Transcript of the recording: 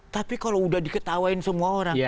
tapi kalau udah diketawain semua orang